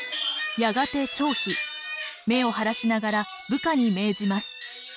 やがて張飛目を腫らしながら部下に命じます。